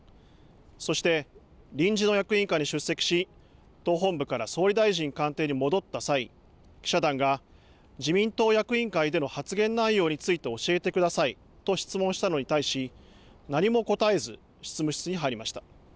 そして、臨時の役員会に出席し党本部から総理大臣官邸に戻った際、記者団が自民党役員会での発言内容について教えてくださいと質問したのに対し何も答えず、執務室に入りました。